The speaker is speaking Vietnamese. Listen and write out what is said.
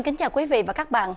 kính chào quý vị và các bạn